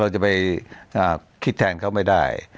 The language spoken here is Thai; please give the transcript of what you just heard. จะไปคิดแทนเขาไม่ได้